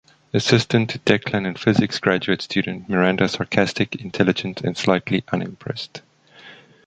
Assistant to Declan and Physics graduate student, Miranda is sarcastic, intelligent and slightly unimpressed.